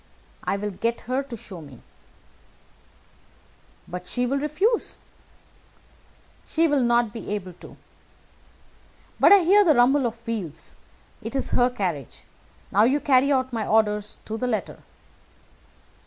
"I will get her to show me." "But she will refuse." "She will not be able to. But I hear the rumble of wheels. It is her carriage. Now carry out my orders to the letter."